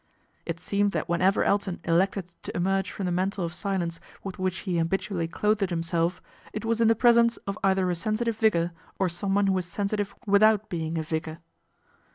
It seemed that whenever Elton elected to emerge from the mantle of silence with which he habitually clothed himself, it was in the presence of either a sensitive vicar or someone who was sensitive with out being a vicar.